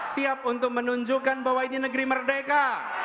siap untuk menunjukkan bahwa ini negeri merdeka